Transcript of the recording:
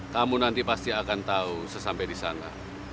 kamu nanti pasti akan tahu sesampai di sana